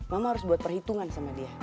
mama harus buat perhitungan sama dia